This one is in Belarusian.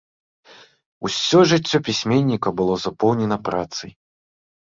Усё жыццё пісьменніка было запоўнена працай.